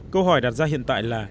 câu hỏi đặt ra hiện tại là